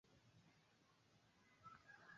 Kichwa yako ni nzuri